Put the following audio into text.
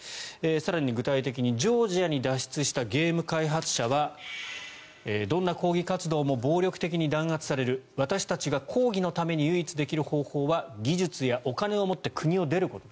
更に具体的にジョージアに脱出したゲーム開発者はどんな抗議活動も暴力的に弾圧される私たちが抗議のために唯一できる方法は、技術やお金を持って国を出ること。